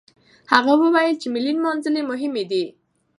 هغه وويل چې ملي نمانځنې مهمې دي.